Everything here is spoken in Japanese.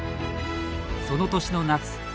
その年の夏